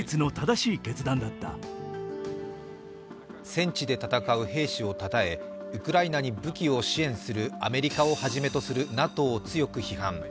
戦地で戦う兵士をたたえ、ウクライナに武器を支援するアメリカをはじめとするＮＡＴＯを強く批判。